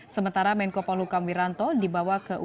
sementara menko polhukam wiranto dibawa ke ukm